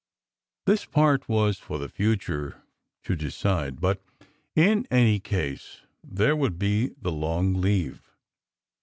This part was for the future to de cide; but in any case there would be the long leave.